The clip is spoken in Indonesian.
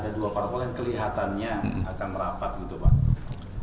ada dua parpol yang kelihatannya akan merapat gitu pak